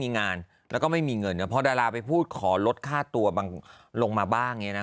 มีงานแล้วก็ไม่มีเงินพอดาราไปพูดขอลดค่าตัวบางลงมาบ้าง